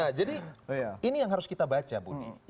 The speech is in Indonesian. ya jadi ini yang harus kita baca budi